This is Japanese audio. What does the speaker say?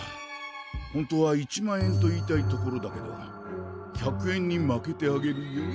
本当は１万円と言いたいところだけど１００円にまけてあげるよ。